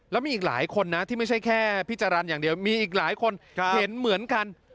แล้วมีอีกหลายคนนะที่ไม่ใช่แค่พี่จรรย์อย่างเดียวมีอีกหลายคนเห็นเหมือนกัน